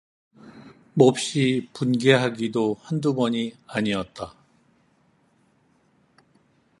몹시 분개하기도 한두 번이 아니었다.